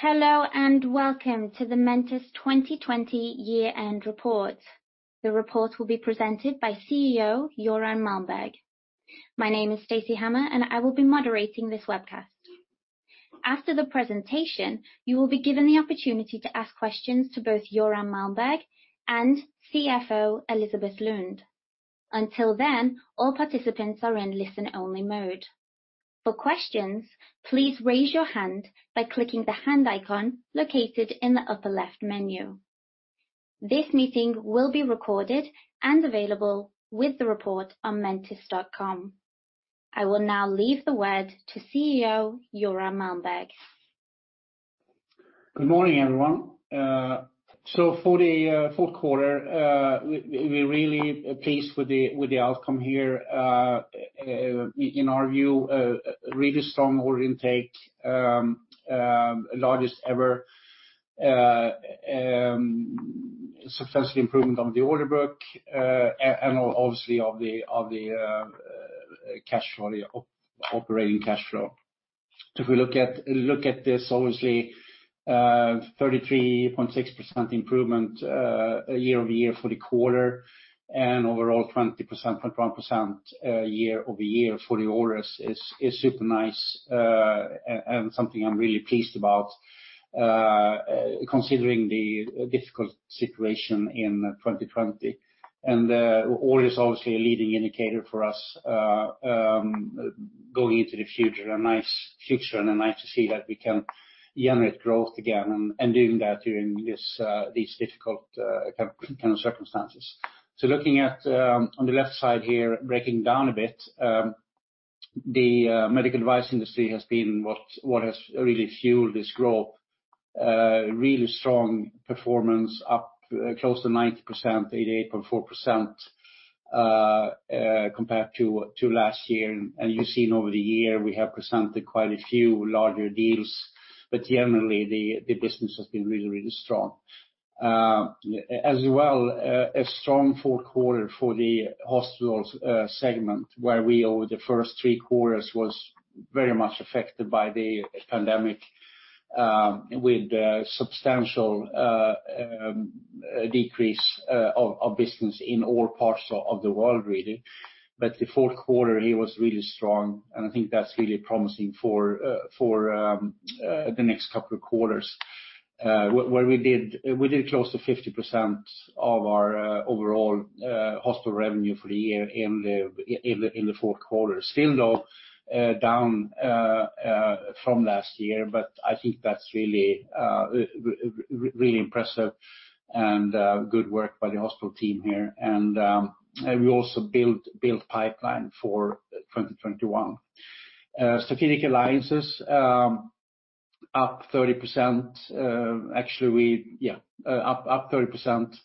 Hello, welcome to the Mentice 2020 Year-End report. The report will be presented by CEO Göran Malmberg. My name is Stacy Hammar, and I will be moderating this webcast. After the presentation, you will be given the opportunity to ask questions to both Göran Malmberg and CFO Elisabet Lund. Until then, all participants are in listen-only mode. For questions, please raise your hand by clicking the hand icon located in the upper left menu. This meeting will be recorded and available with the report on mentice.com. I will now leave the word to CEO Göran Malmberg. Good morning, everyone. For the Q4, we're really pleased with the outcome here. In our view, really strong order intake, largest ever. Substantial improvement on the order book, and obviously of the operating cash flow. If we look at this, obviously 33.6% improvement year-over-year for the quarter, and overall 20.1% year-over-year for the orders is super nice and something I'm really pleased about, considering the difficult situation in 2020. Order is obviously a leading indicator for us going into the future, a nice future, and nice to see that we can generate growth again and doing that during these difficult kind of circumstances. Looking on the left side here, breaking down a bit, the medical device industry has been what has really fueled this growth. Really strong performance, up close to 90%, 88.4%, compared to last year. You've seen over the year, we have presented quite a few larger deals, but generally the business has been really, really strong. A strong Q4 for the hospital segment, where we over the first three quarters was very much affected by the pandemic, with substantial decrease of business in all parts of the world, really. The Q4 here was really strong, and I think that's really promising for the next couple of quarters, where we did close to 50% of our overall hospital revenue for the year in the Q4. Still, though, down from last year, but I think that's really impressive and good work by the hospital team here. We also built pipeline for 2021. Strategic alliances up 30%. Actually, up 30%,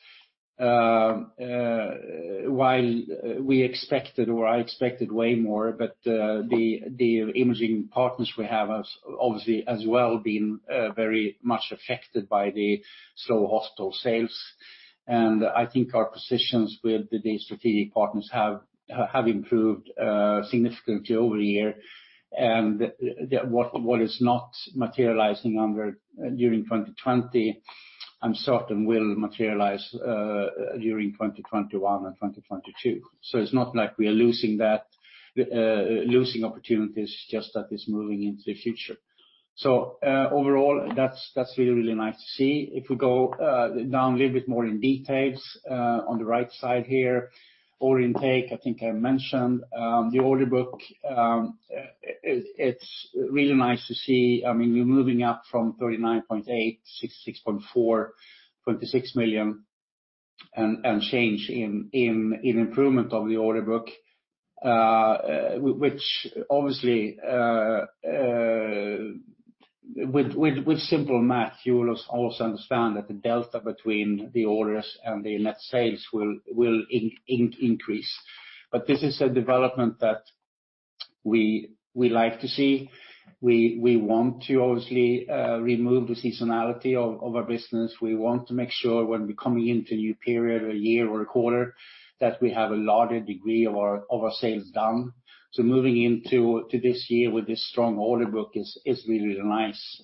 while we expected or I expected way more. The imaging partners we have have obviously as well been very much affected by the slow hospital sales. I think our positions with the strategic partners have improved significantly over the year. What is not materializing during 2020, I'm certain will materialize during 2021 and 2022. It's not like we are losing opportunities, it's just that it's moving into the future. Overall, that's really, really nice to see. If we go down a little bit more in detail, on the right side here, order intake, I think I mentioned. The order book, it's really nice to see. You're moving up from 39.8 million, 66.4 million, 26 million and change in improvement of the order book, which obviously with simple math, you will also understand that the delta between the orders and the net sales will increase. This is a development that we like to see. We want to obviously remove the seasonality of our business. We want to make sure when we're coming into a new period or a year or a quarter, that we have a larger degree of our sales done. Moving into this year with this strong order book is really nice,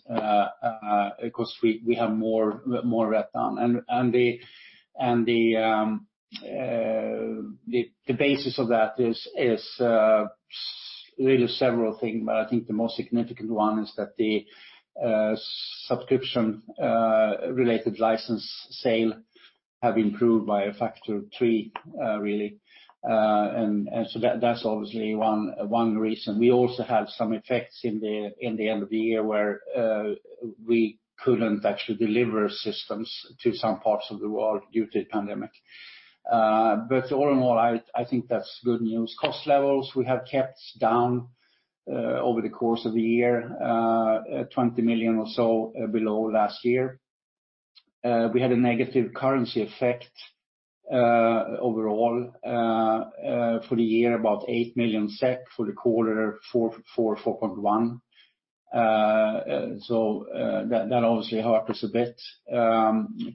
because we have more runway. The basis of that is really several things, but I think the most significant one is that the subscription-related license sale have improved by a factor of three, really. That's obviously one reason. We also had some effects in the end of the year where we couldn't actually deliver systems to some parts of the world due to the pandemic. All in all, I think that's good news. Cost levels we have kept down over the course of the year, 20 million or so below last year. We had a negative currency effect overall for the year, about 8 million SEK. For the quarter, 4.1 million. That obviously sharpens a bit.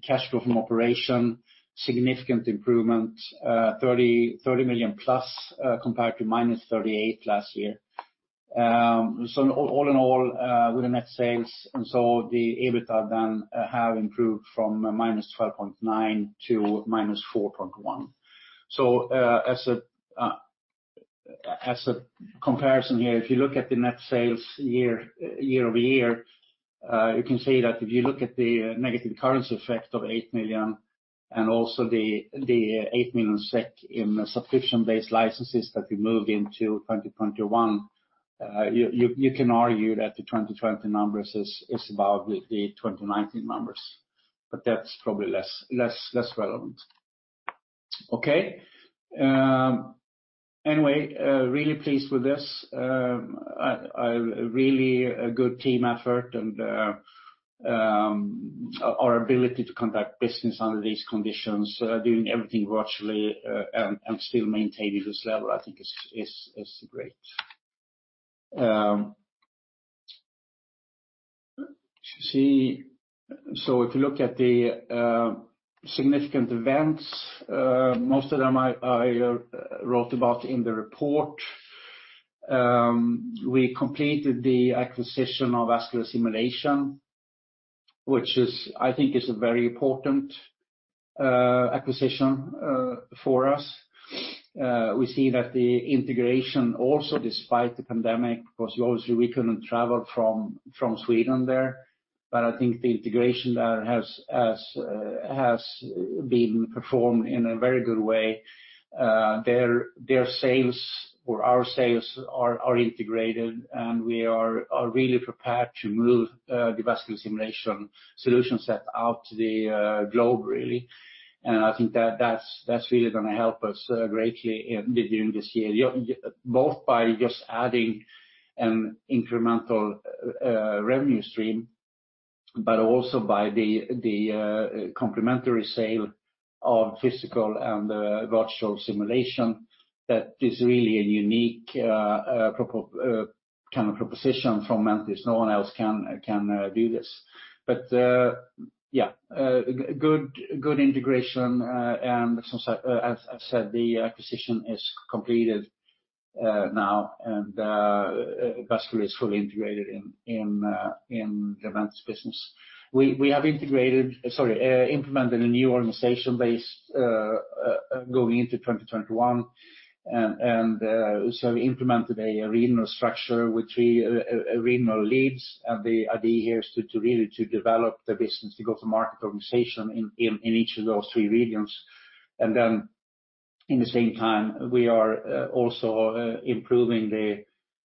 Cash flow from operations, significant improvement, 30 million+ compared to -38 million last year. All in all, with the net sales, the EBITDA then have improved from -12.9 million to -4.1 million. As a comparison here, if you look at the net sales year-over-year, you can see that if you look at the negative currency effect of 8 million and also the 8 million SEK in subscription-based licenses that we moved into 2021, you can argue that the 2020 numbers is about the 2019 numbers, but that's probably less relevant. Okay. Anyway, really pleased with this. Really a good team effort and our ability to conduct business under these conditions, doing everything virtually, and still maintaining this level, I think is great. If you look at the significant events, most of them I wrote about in the report. We completed the acquisition of Vascular Simulations, which I think is a very important acquisition for us. We see that the integration also despite the pandemic, because obviously we couldn't travel from Sweden there, but I think the integration there has been performed in a very good way. Their sales or our sales are integrated, and we are really prepared to move the Vascular Simulations solution set out to the globe, really. I think that's really going to help us greatly during this year, both by just adding an incremental revenue stream, but also by the complementary sale of physical and virtual simulation. That is really a unique kind of proposition from Mentice. No one else can do this. Good integration. As I said, the acquisition is completed now, and Vascular is fully integrated in the Mentice business. We have implemented a new organization base going into 2021, we implemented a regional structure with regional leads, and the idea here is to really develop the business, to go to market organization in each of those three regions. In the same time, we are also improving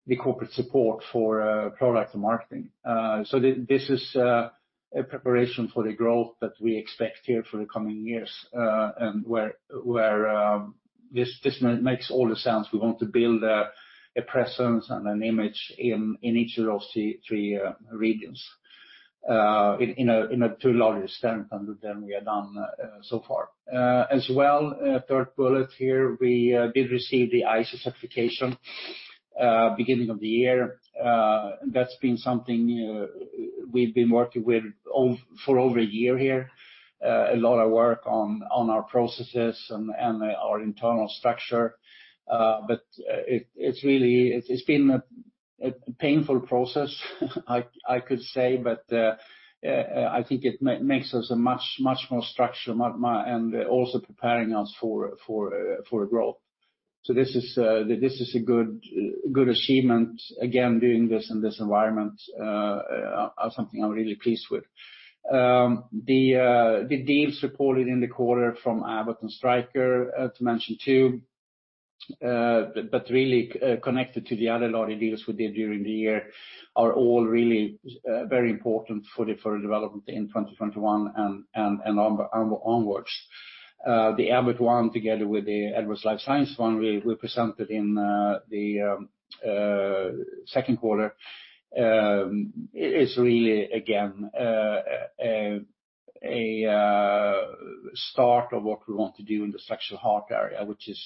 the corporate support for product marketing. This is a preparation for the growth that we expect here for the coming years, and where this makes all the sense. We want to build a presence and an image in each of those three regions in a too larger extent than we have done so far. As well, third bullet here, we did receive the ISO certification beginning of the year. That's been something we've been working with for over a year here. A lot of work on our processes and our internal structure. It's been a painful process I could say, but I think it makes us a much more structured and also preparing us for growth. This is a good achievement. Again, doing this in this environment, something I'm really pleased with. The deals reported in the quarter from Abbott and Stryker to mention two, but really connected to the other lot of deals we did during the year are all really very important for the development in 2021 and onwards. The Abbott one, together with the Edwards Lifesciences one we presented in the Q2, is really, again, a start of what we want to do in the structural heart area, which is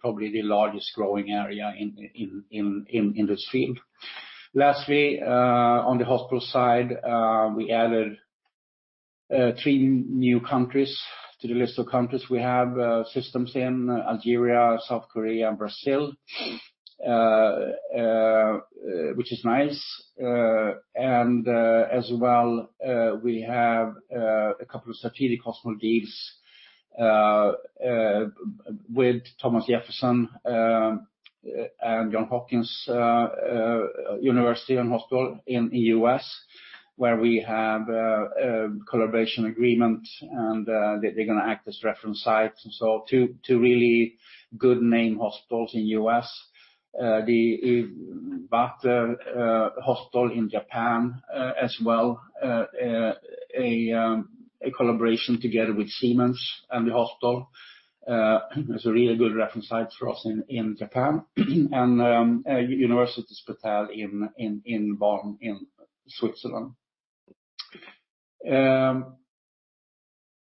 probably the largest growing area in this field. Lastly, on the hospital side, we added three new countries to the list of countries we have systems in Algeria, South Korea, and Brazil, which is nice. As well, we have a couple of strategic hospital deals with Thomas Jefferson, and Johns Hopkins University and Hospital in U.S., where we have a collaboration agreement, and they're going to act as reference sites. So two really good name hospitals in U.S. The Wakayama Hospital in Japan as well, a collaboration together with Siemens and the hospital. It's a really good reference site for us in Japan. University Hospital in Bern, in Switzerland.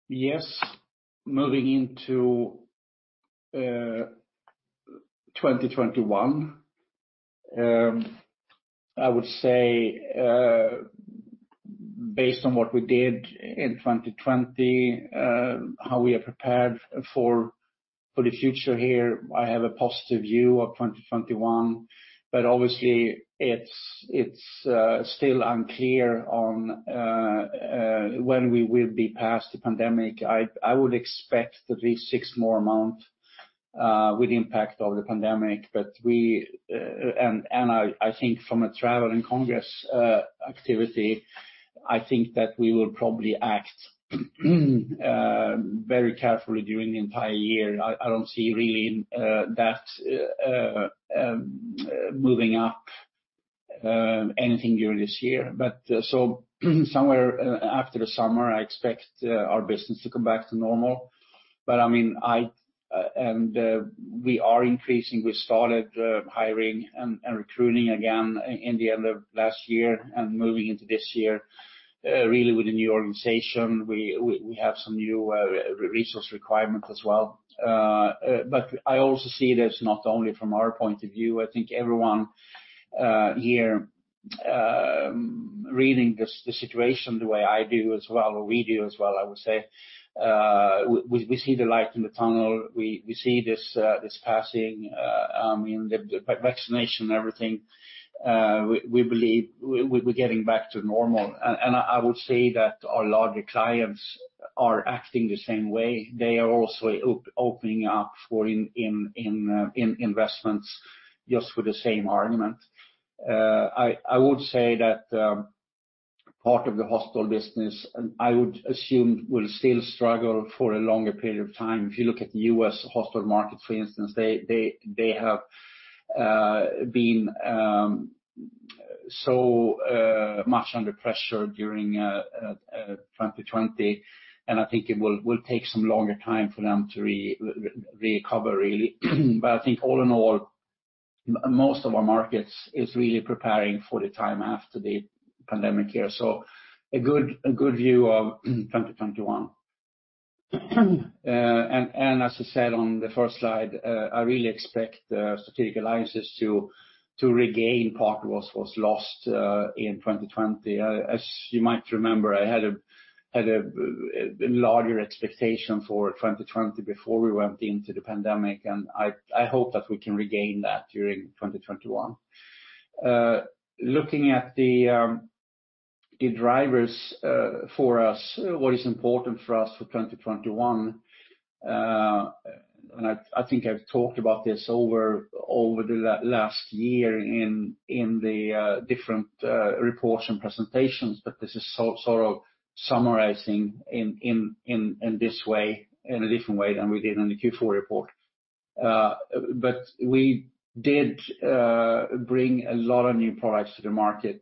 Yes. Moving into 2021, I would say based on what we did in 2020, how we are prepared for the future here, I have a positive view of 2021, but obviously it's still unclear on when we will be past the pandemic. I would expect at least six more months with the impact of the pandemic. I think from a travel and congress activity, we will probably act very carefully during the entire year. I don't see really that moving up anything during this year. Somewhere after the summer, I expect our business to come back to normal. We are increasing. We started hiring and recruiting again in the end of last year and moving into this year. Really with the new organization, we have some new resource requirements as well. I also see this not only from our point of view. I think everyone here reading the situation the way I do as well, or we do as well, I would say, we see the light in the tunnel. We see this passing, the vaccination, everything. We believe we're getting back to normal, and I would say that our larger clients are acting the same way. They are also opening up for investments just with the same argument. I would say that part of the hospital business, I would assume will still struggle for a longer period of time. If you look at the U.S. hospital market, for instance, they have been so much under pressure during 2020, and I think it will take some longer time for them to recover, really. I think all in all, most of our markets is really preparing for the time after the pandemic here. A good view of 2021. As I said on the first slide, I really expect strategic alliances to regain part what was lost in 2020. As you might remember, I had a larger expectation for 2020 before we went into the pandemic, and I hope that we can regain that during 2021. Looking at the drivers for us, what is important for us for 2021. I think I've talked about this over the last year in the different reports and presentations. This is sort of summarizing in a different way than we did in the Q4 report. We did bring a lot of new products to the market,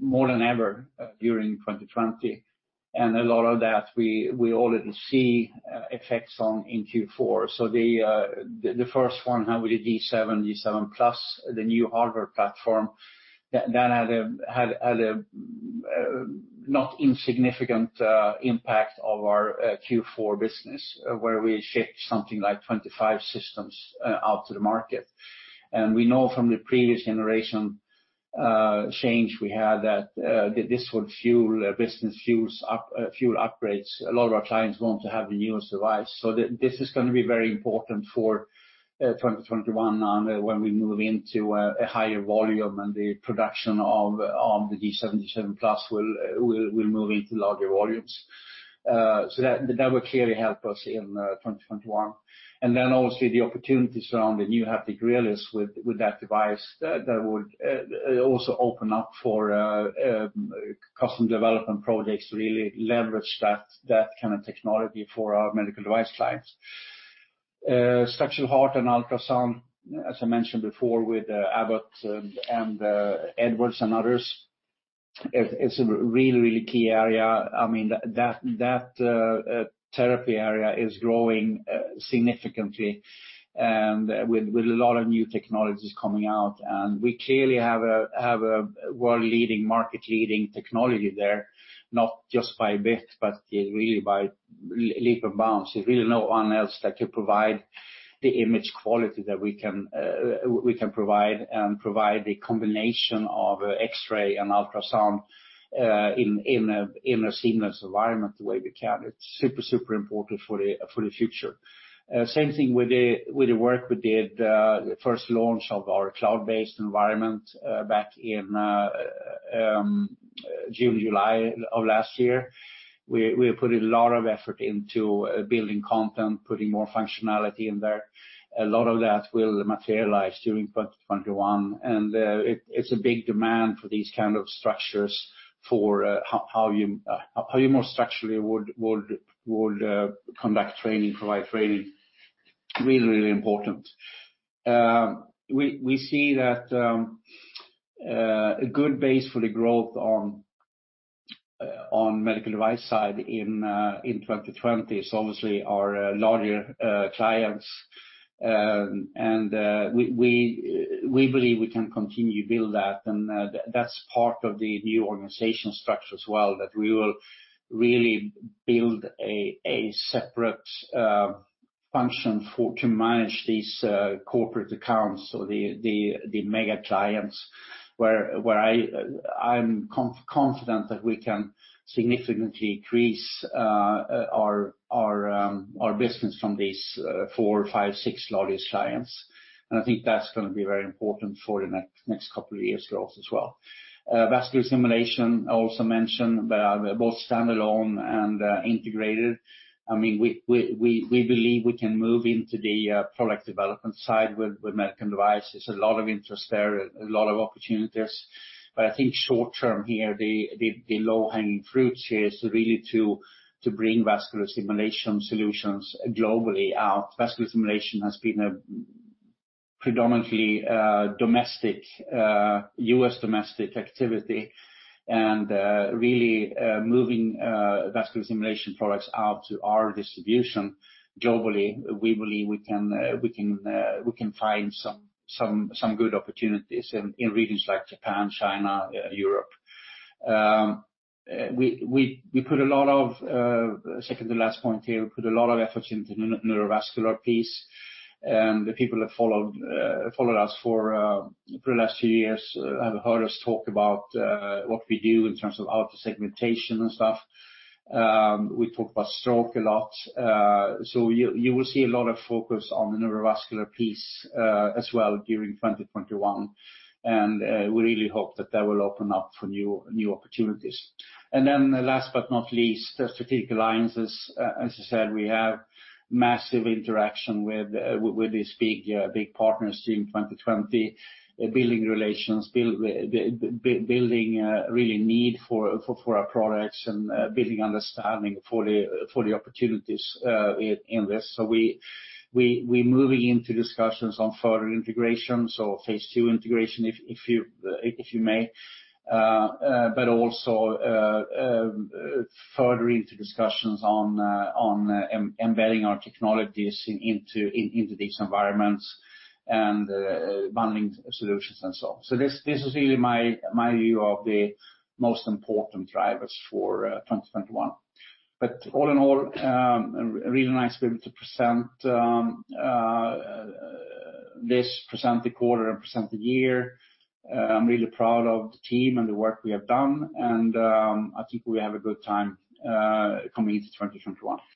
more than ever during 2020. A lot of that we already see effects on in Q4. The first one, how we did VIST G7, VIST G7+, the new hardware platform that had a not insignificant impact of our Q4 business, where we shipped something like 25 systems out to the market. We know from the previous generation change we had that this would fuel business, fuel upgrades. A lot of our clients want to have the newest device. This is going to be very important for 2021 when we move into a higher volume and the production of the VIST G7, VIST G7+ will move into larger volumes. That will clearly help us in 2021. Obviously the opportunities around the new Haptic Realism with that device that would also open up for custom development projects, really leverage that kind of technology for our medical device clients. Structural heart and ultrasound, as I mentioned before, with Abbott and Edwards and others, it's a really key area. That therapy area is growing significantly with a lot of new technologies coming out, and we clearly have a world-leading, market-leading technology there, not just by a bit, but really by leap and bounds. There's really no one else that can provide the image quality that we can provide and provide the combination of X-ray and ultrasound in a seamless environment the way we can. It's super important for the future. Same thing with the work we did, the first launch of our cloud-based environment back in June, July of last year. We put a lot of effort into building content, putting more functionality in there. A lot of that will materialize during 2021, and it's a big demand for these kind of structures for how you more structurally would conduct training, provide training. Really important. We see that a good base for the growth on medical device side in 2020 is obviously our larger clients. We believe we can continue to build that, and that's part of the new organizational structure as well, that we will really build a separate function to manage these corporate accounts or the mega giants, where I'm confident that we can significantly increase our business from these four, five, six largest clients. I think that's going to be very important for the next couple of years' growth as well. Vascular simulation, I also mentioned, both standalone and integrated. We believe we can move into the product development side with medical devices. A lot of interest there, a lot of opportunities. I think short-term here, the low-hanging fruit here is really to bring vascular simulation solutions globally out. Vascular simulation has been a predominantly domestic, U.S. domestic activity. Really moving vascular simulation products out to our distribution globally, we believe we can find some good opportunities in regions like Japan, China, Europe. Second to last point here, we put a lot of efforts into neurovascular piece. The people have followed us for the last few years, have heard us talk about what we do in terms of auto segmentation and stuff. We talk about stroke a lot. You will see a lot of focus on the neurovascular piece as well during 2021. We really hope that will open up for new opportunities. Last but not least, the strategic alliances. As I said, we have massive interaction with these big partners during 2020, building relations, building real need for our products and building understanding for the opportunities in this. We're moving into discussions on further integrations or phase two integration, if you may, but also further into discussions on embedding our technologies into these environments and bundling solutions and so on. This is really my view of the most important drivers for 2021. All in all, really nice being able to present the quarter and present the year. I'm really proud of the team and the work we have done, and I think we have a good time coming into 2021.